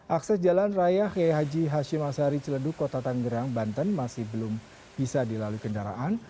akses jalan raya geyhaji hashimashari celeduk kota tanggerang banten masih belum bisa dilalui kendaraan